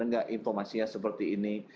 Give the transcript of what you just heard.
enggak informasinya seperti ini